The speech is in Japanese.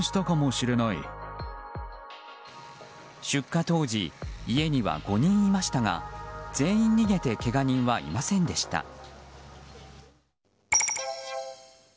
出火当時家には５人いましたが全員逃げてけが人はいませんでした。